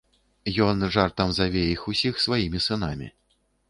Ён жартам заве іх усіх сваімі сынамі.